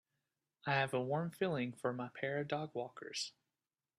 I have a warm feeling for my pair of dogwalkers.